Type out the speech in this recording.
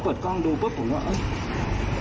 พอเปิดกล้องวงจรปิดรู้เลยโอ้โหพวกนี้มันตัวร้ายจริง